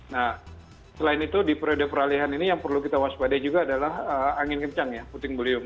nah selain itu di periode peralihan ini yang perlu kita waspadai juga adalah angin kencang ya puting beliung